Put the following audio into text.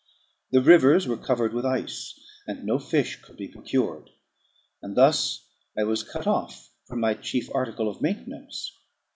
The rivers were covered with ice, and no fish could be procured; and thus I was cut off from my chief article of maintenance.